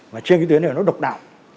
và trên cái tuyến này nó độc đạo